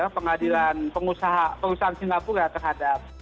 pengadilan perusahaan singapura terhadap